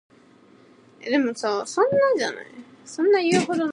The next dynasty in Austria-the Habsburgs-were originally not descendants of the Babenbergs.